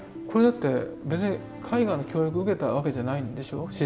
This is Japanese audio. これだって別に絵画の教育を受けたわけじゃないんでしょう？